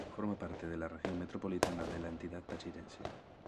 Forma parte de la región metropolitana de la entidad tachirense.